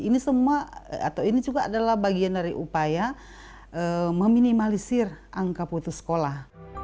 ini semua atau ini juga adalah bagian dari upaya meminimalisir angka putus sekolah